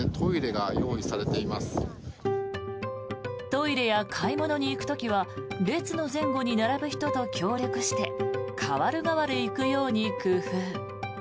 トイレや買い物に行く時は列の前後に並ぶ人と協力して代わる代わる行くように工夫。